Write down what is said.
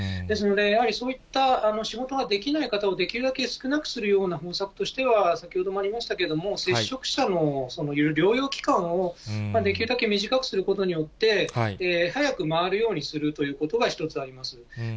ですので、やはりそういった仕事ができない方をできるだけ少なくするような方策としては、先ほどもありましたけども、接触者の療養期間を、できるだけ短くすることによって、早く回るようにするということが一つあります。